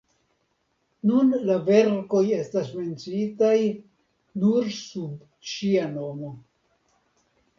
Nun la verkoj estas menciitaj nur sub ŝia nomo.